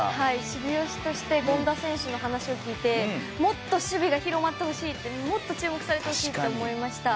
守備推しとして権田選手の話を聞いてもっと守備が広まってほしいもっと注目されてほしいと思いました。